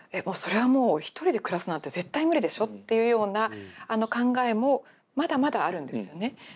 それはもう一人で暮らすなんて絶対無理でしょっていうような考えもまだまだあるんですよね。